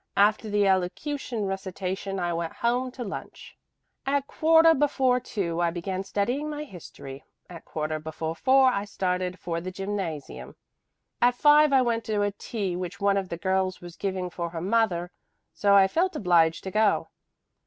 After the elocution recitation I went home to lunch. At quarter before two I began studying my history. At quarter before four I started for the gymnasium. At five I went to a tea which one of the girls was giving for her mother, so I felt obliged to go.